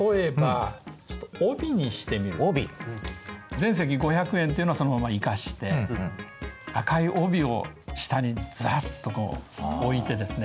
「全席５００円」っていうのはそのまま生かして赤い帯を下にずらっと置いてですね